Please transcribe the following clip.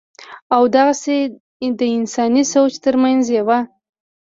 او دغسې دَانساني سوچ تر مېنځه يوه